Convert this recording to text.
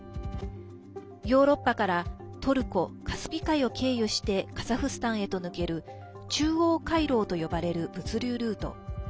ヨーロッパからトルコ、カスピ海を経由してカザフスタンへと抜ける中央回廊と呼ばれる物流ルート。